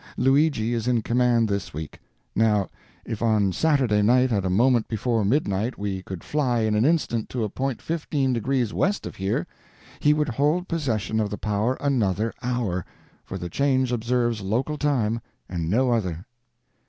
Luigi is in command this week. Now, if on Saturday night at a moment before midnight we could fly in an instant to a point fifteen degrees west of here, he would hold possession of the power another hour, for the change observes local time and no other."